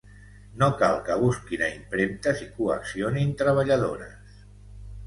No cal que busquin a impremtes i coaccionin treballadores!